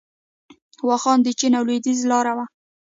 واخان د چین او لویدیځ لاره وه